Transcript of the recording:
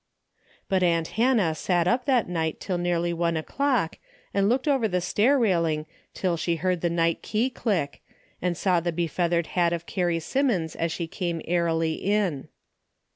But aunt Hannah sat up that night till nearly one o'clock, and looked over the stair railing till she heard the night key click, and saw the befeathered hat of Carrie Simmons as she came airily in.